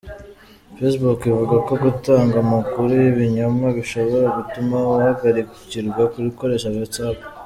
Facebook ivuga ko gutanga amakuru y’ibinyoma bishobora gutuma uhagarikirwa gukoresha WhatsApp.